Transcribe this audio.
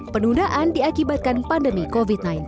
penundaan diakibatkan pandemi covid sembilan belas